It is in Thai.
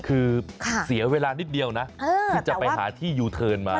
คือเสียเวลานิดเดียวนะที่จะไปหาที่ยูเทิร์นมา